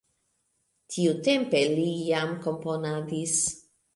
Tiutempe li jam komponadis.